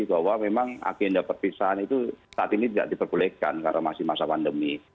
bahwa memang agenda perpisahan itu saat ini tidak diperbolehkan karena masih masa pandemi